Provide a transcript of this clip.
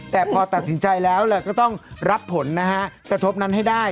แต่พอตัดสินใจแล้วก็ต้องรับผลนะฮะกระทบนั้นให้ได้